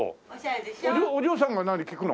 お嬢さんが何？聴くの？